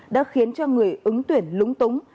đã khiến cho người ứng tuyển lúng túng